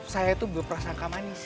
saya tuh berperasangka manis